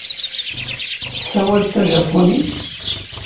Tessawaleḍ tajapunit?